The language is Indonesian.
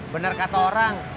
bener kata orang